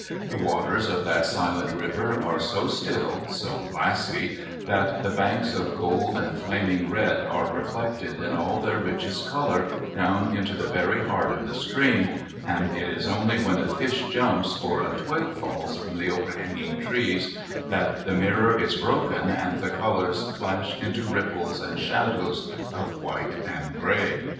The waters of that silent river are so still, so glassy, that the banks of gold and flaming red are reflected in all their richest colour down into the very heart of the stream, and it is only when a fish jumps or a twig falls from the overhanging trees that the mirror is broken and the colours flash into ripples and shadows of white and grey.